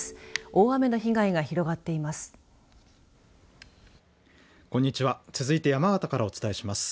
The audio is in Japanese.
大雨の被害が広がっています。